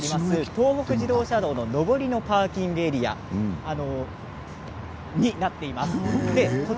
東北自動車道の上りのパーキングエリアです。